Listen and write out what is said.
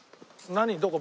何どこ？